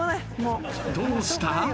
どうした？